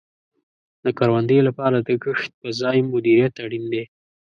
د کروندې لپاره د کښت په ځای مدیریت اړین دی.